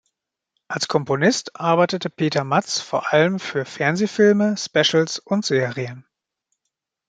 Als Komponist arbeitete Peter Matz vor allem für Fernsehfilme, -specials und -serien.